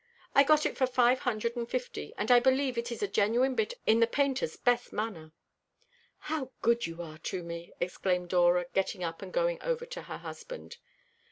I got it for five hundred and fifty, and I believe it is a genuine bit in the painter's best manner." "How good you are to me!" exclaimed Dora, getting up and going over to her husband.